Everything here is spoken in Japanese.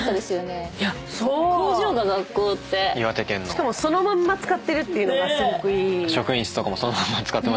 しかもそのまんま使ってるっていうのがすごくいい。